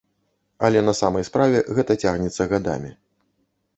Але на самай справе гэта цягнецца гадамі.